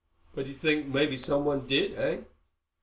"But you think maybe someone did, eh?"